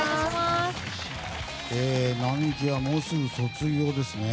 並木はもうすぐ卒業ですね。